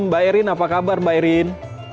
mbak erin apa kabar mbak erin